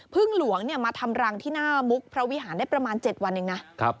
หลวงมาทำรังที่หน้ามุกพระวิหารได้ประมาณ๗วันเองนะ